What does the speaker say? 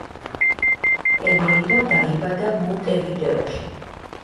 პერეირა დაიბადა მონტევიდეოში.